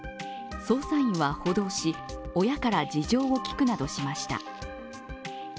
捜査員は補導し、親から事情を聞くなどしました。